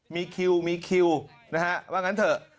มีคิวมีคิวนะฮะว่างั้นเถอะ